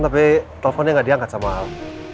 tapi teleponnya gak diangkat sama ahok